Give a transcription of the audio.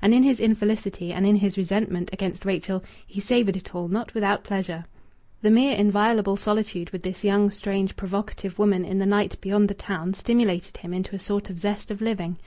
And in his infelicity and in his resentment against Rachel he savoured it all not without pleasure. The mere inviolable solitude with this young, strange, provocative woman in the night beyond the town stimulated him into a sort of zest of living.